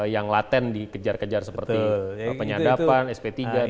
yang laten dikejar kejar seperti penyandapan sp tiga dll